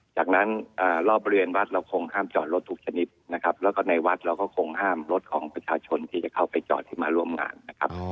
จากนั้นรอบบริเวณวัดเราคงห้ามจอดรถทุกชนิดนะครับแล้วก็ในวัดเราก็คงห้ามรถของประชาชนที่จะเข้าไปจอดที่มาร่วมงานนะครับ